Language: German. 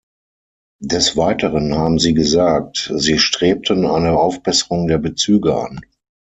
Des Weiteren haben Sie gesagt, Sie strebten eine Aufbesserung der Bezüge an.